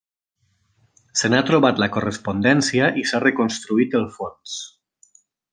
Se n'ha trobat la correspondència i s'ha reconstruït el fons.